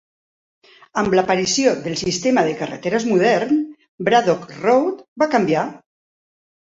Amb l'aparició del sistema de carreteres modern, Braddock Road va canviar.